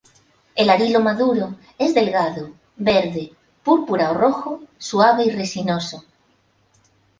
El arilo maduro es delgado, verde, púrpura o rojo, suave y resinoso.